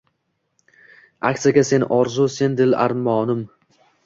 Aksiga sen orzu, sen dil armonim